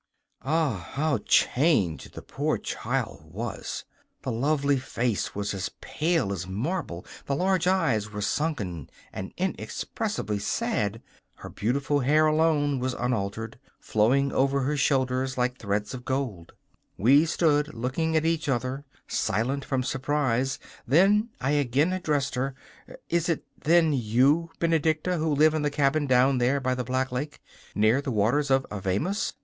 Ah, how changed the poor child was! The lovely face was as pale as marble; the large eyes were sunken and inexpressibly sad. Her beautiful hair alone was unaltered, flowing over her shoulders like threads of gold. We stood looking at each other, silent from surprise; then I again addressed her: 'Is it, then, you, Benedicta, who live in the cabin down there by the Black Lake near the waters of Avemus?